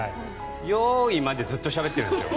よーいまでずっとしゃべってるんですよ。